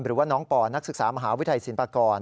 หรือว่าน้องปนักศึกษามหาวิทยาลัยศิลปากร